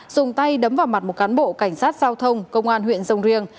dùng tay đấm vào mặt một cán bộ cảnh sát giao thông công an huyện dông riêng